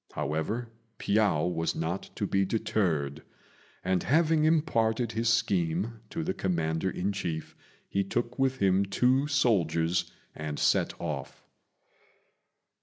However, Piao was not to be deterred; and having imparted his scheme to the commander in chief, he took with him two soldiers and set off.